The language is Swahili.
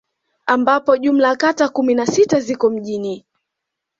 Ambapo jumla ya kata kumi na sita ziko mjini